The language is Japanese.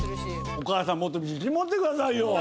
お母さんもっと自信持ってくださいよ！